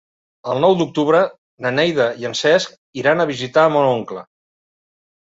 El nou d'octubre na Neida i en Cesc iran a visitar mon oncle.